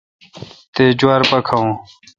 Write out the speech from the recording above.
تے°جوار پا کھاوون۔